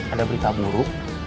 ada berita buruk